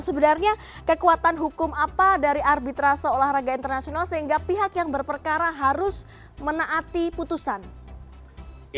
sebenarnya kekuatan hukum apa dari arbitrase olahraga internasional sehingga pihak yang berperkara harus menaati putusan